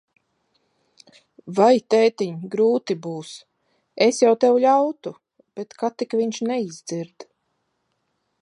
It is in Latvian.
Vai, tētiņ, grūti būs. Es jau tev ļautu, bet ka tik viņš neizdzird.